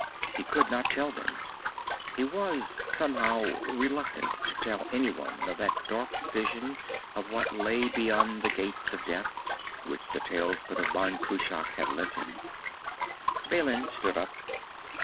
He could not tell them. He was, somehow, reluctant to tell anyone of that dark vision of what lay beyond the Gates of Death, which the talisman of Ban Cruach had lent him. Balin stood up.